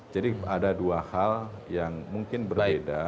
jadi ada dua hal yang mungkin berbeda